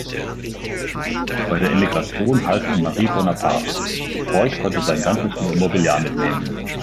Bei der Emigration half ihm Marie Bonaparte; Freud konnte sein ganzes Mobiliar mitnehmen.